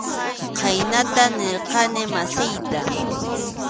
Khaynata nirqani masiyta.